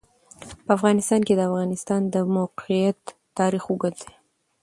په افغانستان کې د د افغانستان د موقعیت تاریخ اوږد دی.